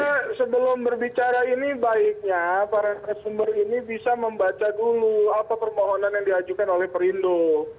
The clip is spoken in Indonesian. saya kira sebelum berbicara ini baiknya para narasumber ini bisa membaca dulu apa permohonan yang diajukan oleh perindo